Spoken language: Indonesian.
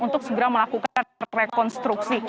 untuk segera melakukan rekonstruksi